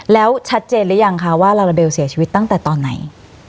แล้วชัดเจนหรือยังคะว่าลาลาเบลเสียชีวิตตั้งแต่ตอนไหน